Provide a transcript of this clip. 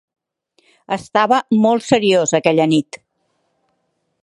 Estava molt seriós aquella nit.